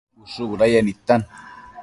Ushë budayec nidtan